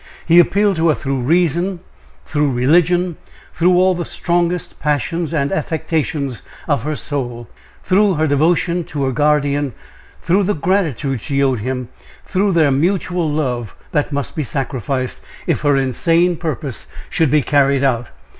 He appealed to her, through reason, through religion, through all the strongest passions and affections of her soul through her devotion to her guardian through the gratitude she owed him through their mutual love, that must be sacrificed, if her insane purpose should be carried out.